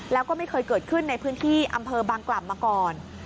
แล้วก็ไม่เคยเกิดขึ้นในพื้นที่อำเภอบางกล่ำมาก่อน